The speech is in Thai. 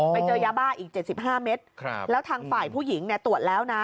ไปเจอยาบ้าอีก๗๕เมตรแล้วทางฝ่ายผู้หญิงเนี่ยตรวจแล้วนะ